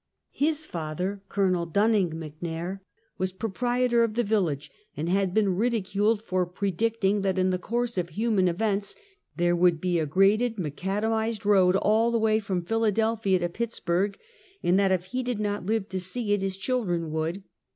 His father, CoL Dunning McNair, was proprietor of the village, and had been ridiculed for predicting that, in the course of human events, there would be a graded, McAdamized road, all the way from Philadelphia to Pittsburg, and that if he did not live to see it his children would.